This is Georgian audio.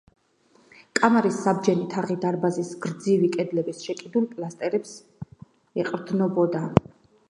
კამარის საბჯენი თაღი დარბაზის გრძივი კედლების შეკიდულ პილასტრებს ეყრდნობოდა.